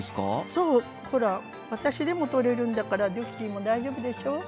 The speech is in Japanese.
そうほら私でも取れるんだからドゥッキーも大丈夫でしょ？